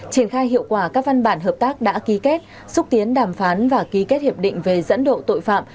triển khai hiệu quả các văn bản hợp tác đã ký kết xúc tiến đàm phán và ký kết hiệp định về dẫn độ tội phạm